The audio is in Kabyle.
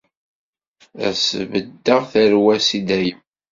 Ad sbeddeɣ tarwa-s i dayem.